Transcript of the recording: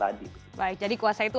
tadi baik jadi kuasa itu